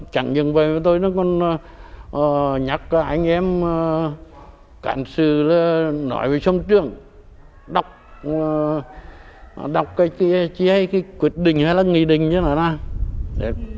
chẳng những bài với tôi nó còn nhắc anh em cản sư nói với sông trường đọc cái quyết định hay là nghị định như thế nào đó